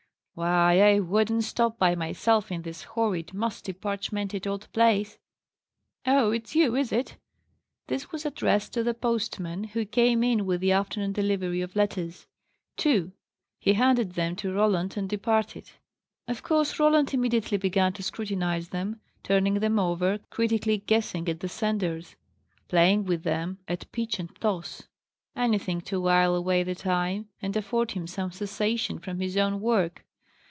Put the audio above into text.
Why, I wouldn't stop by myself in this horrid, musty, parchmented old place Oh, it's you, is it?" This was addressed to the postman, who came in with the afternoon delivery of letters. Two. He handed them to Roland, and departed. Of course Roland immediately began to scrutinize them: turning them over; critically guessing at the senders; playing with them at pitch and toss anything to while away the time, and afford him some cessation from his own work.